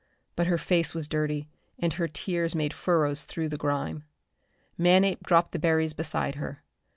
But her face was dirty, and her tears made furrows through the grime. Manape dropped the berries beside her.